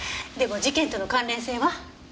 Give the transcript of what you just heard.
でも事件との関連性は？